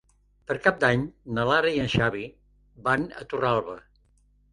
Per Cap d'Any na Lara i en Xavi van a Torralba.